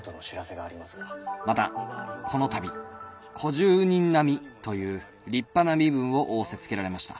「またこの度小十人並という立派な身分を仰せつけられました。